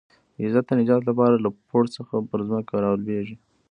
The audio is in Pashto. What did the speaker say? د عزت د نجات لپاره له پوړ څخه پر ځمکه رالوېږي.